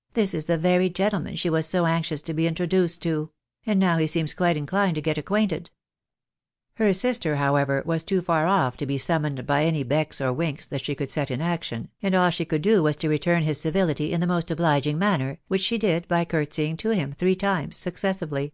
" This is the very gentleman she was so anxious to be introduced to — and now he seems quite inclined to get acquainted !" Her sister, however, was too far off to be summoned by any becks or winks that she could set in action, and all she could do was to return his civility in the most obliging manner, which she did by courtseying to him three times successively.